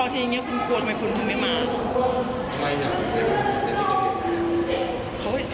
ตอนคุณทำทำไมคุณไม่กลัวแล้วพอทีนี้คุณกลัวทำไมคุณไม่มา